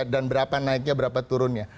dan berapa naiknya berapa turunnya